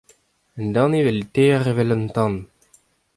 Un danevell taer evel an tan !